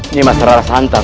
nimas rara santan